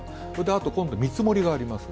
今度は見積もりがあります。